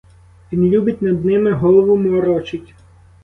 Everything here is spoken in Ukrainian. Він любить над ними голову морочить.